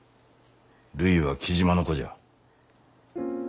るいは雉真の子じゃ。